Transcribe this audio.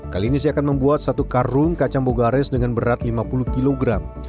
kali ini saya akan membuat satu karung kacang bogares dengan berat lima puluh kg